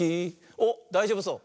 おっだいじょうぶそう。